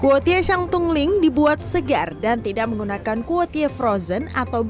kuotie shang tungling dibuat segar dan tidak menggunakan kuotie frozen atau